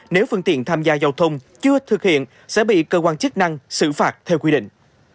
nếu phương tiện tham gia giao thông chưa thực hiện sẽ bị cơ quan chức năng xử phạt theo quy định